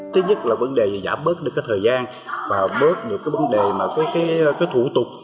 thứ nhất là vấn đề giảm bớt được cái thời gian và bớt được cái vấn đề mà cái thủ tục